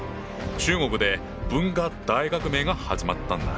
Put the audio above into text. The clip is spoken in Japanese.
中国で文化大革命が始まったんだ。